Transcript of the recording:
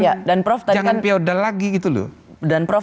jangan piada lagi gitu loh